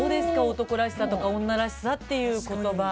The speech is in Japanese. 「男らしさ」とか「女らしさ」っていう言葉。